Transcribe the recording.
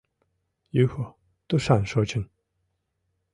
— Юхо тушан шочын.